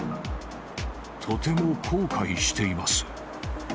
とても後悔しています。